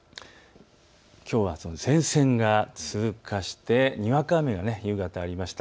きょうは前線が通過してにわか雨が夕方、ありました。